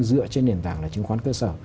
dựa trên nền tảng là chứng khoán cơ sở